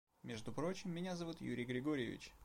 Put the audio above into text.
Между прочим, меня зовут Юрий Григорьевич.